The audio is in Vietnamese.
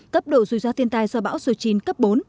cấp độ rùi ra tiên tai do bão số chín cấp bốn